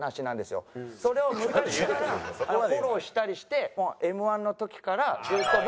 それを昔からフォローしたりしてＭ−１の時からずっともう。